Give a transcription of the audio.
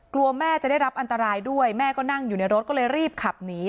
กลัวแม่จะได้รับอันตรายด้วยแม่ก็นั่งอยู่ในรถก็เลยรีบขับหนี